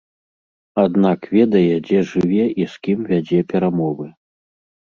Аднак ведае, дзе жыве і з кім вядзе перамовы.